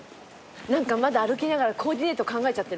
まだ歩きながらコーディネート考えちゃってるもん。